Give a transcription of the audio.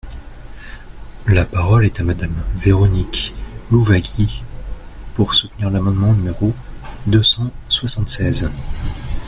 La parole est à Madame Véronique Louwagie, pour soutenir l’amendement numéro deux cent soixante-seize.